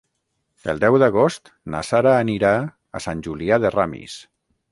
El deu d'agost na Sara anirà a Sant Julià de Ramis.